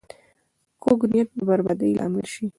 کوږ نیت د بربادۍ لامل شي